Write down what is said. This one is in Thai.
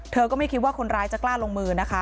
ก็ไม่คิดว่าคนร้ายจะกล้าลงมือนะคะ